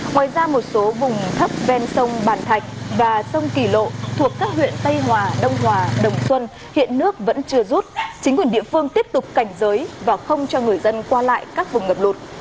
ngoài ra một số vùng thấp ven sông bản thạch và sông kỳ lộ thuộc các huyện tây hòa đông hòa đồng xuân hiện nước vẫn chưa rút chính quyền địa phương tiếp tục cảnh giới và không cho người dân qua lại các vùng ngập lụt